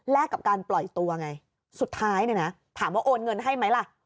กับการปล่อยตัวไงสุดท้ายเนี่ยนะถามว่าโอนเงินให้ไหมล่ะ